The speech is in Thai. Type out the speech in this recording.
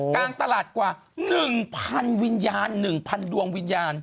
กลางตลาดกว่าหนึ่งพันวิญญาณหนึ่งพันดวงวิญญาณ